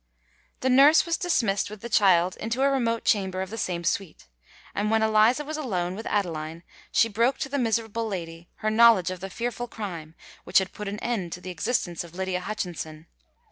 The nurse was dismissed with the child into a remote chamber of the same suite; and when Eliza was alone with Adeline, she broke to the miserable lady her knowledge of the fearful crime which had put an end to the existence of Lydia Hutchinson.